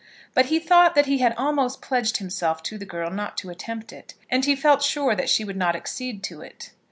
But he thought that he had almost pledged himself to the girl not to attempt it, and he felt sure that she would not accede to it.